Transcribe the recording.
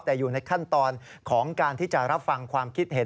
แต่อยู่ในขั้นตอนของการที่จะรับฟังความคิดเห็น